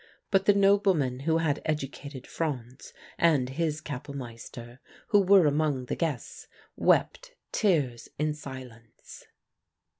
But the nobleman who had educated Franz, and his Kapellmeister, who were among the guests, wept tears in silence.